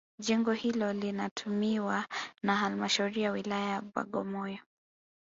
Jengo hilo linatumiwa na halmashauri ya wilaya Bagamoyo